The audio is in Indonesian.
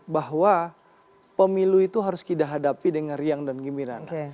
bahwa pemilu itu harus kita hadapi dengan riang dan gembiraan